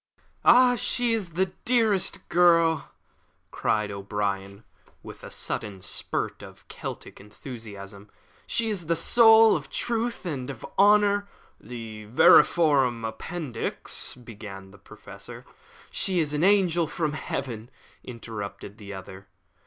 "Ah! she is the dearest girl," cried O'Brien, with a sudden little spurt of Celtic enthusiasm "she is the soul of truth and of honour." "The vermiform appendix " began the Professor. "She is an angel from heaven," interrupted the other.